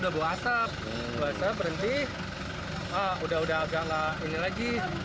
bawa asap berhenti udah udah agak gak ini lagi